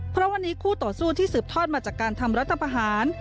เพราะวันนี้คู่ต่อสู้ที่สืบทอดมาจากการทำรัฐประหาร